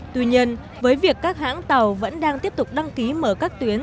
tuy nhiên với việc các hãng tàu vẫn đang tiếp tục đăng ký mở các tuyến